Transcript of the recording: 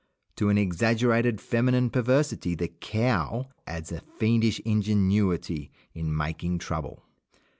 To an exaggerated feminine perversity the cow adds a fiendish ingenuity in making trouble.